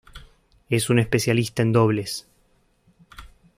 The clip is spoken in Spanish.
Es un especialista en dobles.